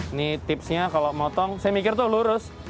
ini tipsnya kalau motong saya mikir tuh lurus